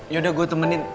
yaudah gue temenin